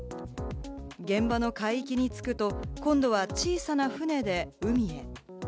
現場の海域に着くと今度は小さな船で海へ。